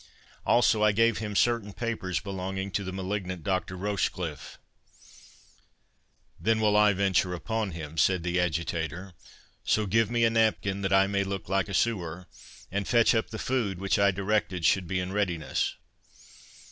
Also I gave him certain papers belonging to the malignant Doctor Rochecliffe." "Then will I venture upon him," said the adjutator; "so give me a napkin that I may look like a sewer, and fetch up the food which I directed should be in readiness."